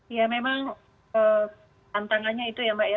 ya memang tantangannya itu ya mbak ya